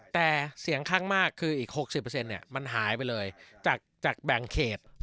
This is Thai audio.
แต่เสียงข้างมากคืออีก๖๐มันหายไปเลยจากแบ่งเขต